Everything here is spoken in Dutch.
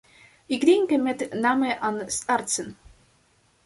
Ik denk met name aan artsen.